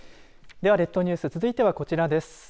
では列島ニュース続いてはこちらです。